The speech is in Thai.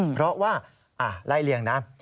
เพราะว่าไล่เลี่ยงนะ